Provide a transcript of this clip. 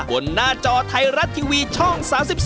หน้าจอไทยรัฐทีวีช่อง๓๒